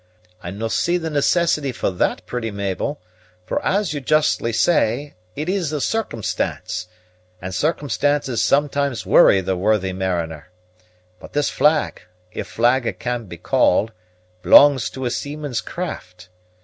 "I no' see the necessity for that, pretty Mabel; for, as you justly say, it is a circumstance, and circumstances sometimes worry the worthy mariner. But this flag, if flag it can be called, belongs to a seaman's craft.